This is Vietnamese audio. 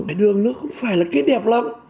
cây hải đường nó không phải là cây đẹp lắm